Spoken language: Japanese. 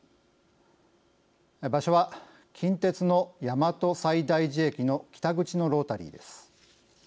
場所は近鉄の大和西大寺駅の北口のロータリーです。